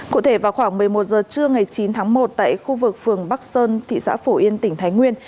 cụ thể vào khoảng một mươi một h trưa ngày chín tháng một tại khu vực phường bắc sơn thị xã phổ yên tỉnh thái nguyên